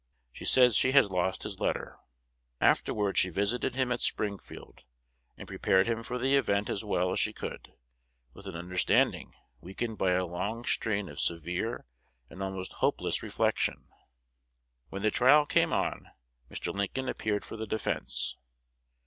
(She says she has lost his letter.) Afterwards she visited him at Springfield, and prepared him for the event as well as she could, with an understanding weakened by a long strain of severe and almost hopeless reflection. When the trial came on, Mr. Lincoln appeared for the defence.